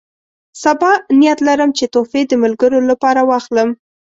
سبا نیت لرم چې تحفې د ملګرو لپاره واخلم.